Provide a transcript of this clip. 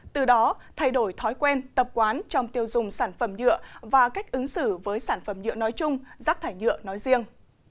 từ đó thay đổi thói quen tập quán trong tiêu dùng sản phẩm nhựa và cách ứng xử với sản phẩm nhựa nói chung rác thải nhựa nói riêng